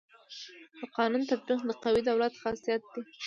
د قانون تطبیق د قوي دولت خاصيت دی.